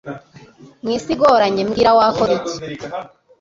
mw'isi igoramye, mbwira, wakora iki